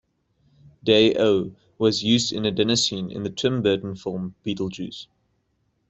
"Day-O" was used in a dinner scene in the Tim Burton film "Beetlejuice".